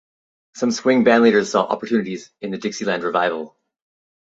Some swing bandleaders saw opportunities in the Dixieland revival.